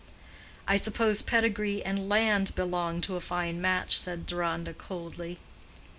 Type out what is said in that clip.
"I suppose pedigree and land belong to a fine match," said Deronda, coldly.